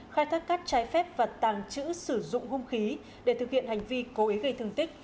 khai thác cát trái phép và tàng trữ sử dụng hung khí để thực hiện hành vi cố ý gây thương tích